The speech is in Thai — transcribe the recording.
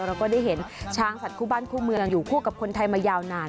เราก็ได้เห็นช้างสัตว์คู่บ้านคู่เมืองอยู่คู่กับคนไทยมายาวนาน